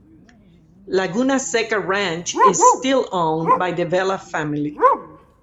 Laguna Seca Ranch is still owned by the Vela family.